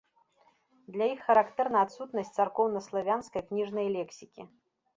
Для іх характэрна адсутнасць царкоўнаславянскай кніжнай лексікі.